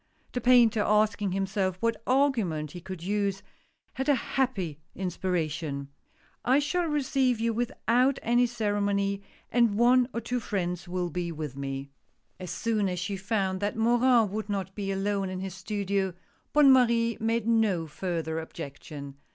The painter asking himself what argument he could use, had a happy inspiration. " I shall receive you without any ceremony, and one or two friends will be with me." THE PORTRAIT. 131 As soon as she found that Morin would not be alone in his studio, Bonne Marie made no further objection.